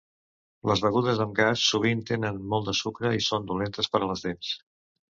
Les begudes amb gas sovint tenen molt de sucre i són dolentes per a les dents.